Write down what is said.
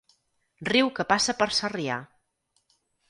Riu que passa per Sarrià.